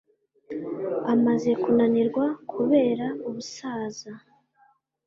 amaze kunanirwa kubera ubusaza.